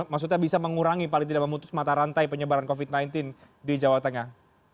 maksudnya bisa mengurangi paling tidak memutus mata rantai penyebaran covid sembilan belas di jawa tengah